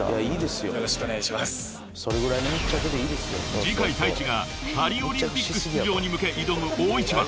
［次回Ｔａｉｃｈｉがパリオリンピック出場に向け挑む大一番］